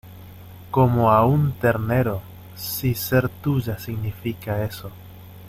como a un ternero. si ser tuya significa eso ...